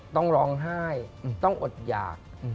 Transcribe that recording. ต้องร้องไห้ต้องอดหยาก